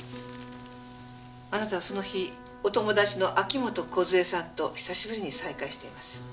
あなたはその日お友達の秋本梢さんと久しぶりに再会しています。